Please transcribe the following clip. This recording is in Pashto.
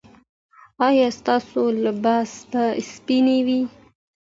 ایا ستاسو لباس به سپین وي؟